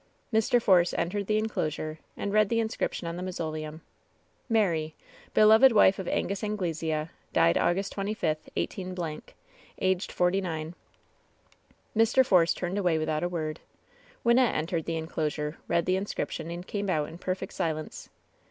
Mr. Force entered the inclosure and read the inscrip tion on the mausoleum : Mary, Beloved Wife of Angus Anglesba, Died August 25, 18 — y Aged 49. Mr. Force turned away without a word. Wynnette entered the inclosure, read the inscription and came out in perfect silence.